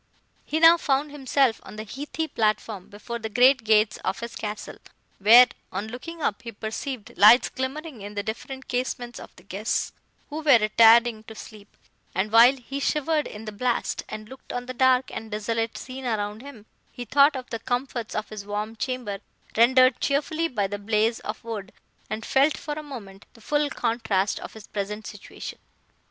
"He now found himself on the heathy platform, before the great gates of his castle, where, on looking up, he perceived lights glimmering in the different casements of the guests, who were retiring to sleep; and, while he shivered in the blast, and looked on the dark and desolate scene around him, he thought of the comforts of his warm chamber, rendered cheerful by the blaze of wood, and felt, for a moment, the full contrast of his present situation."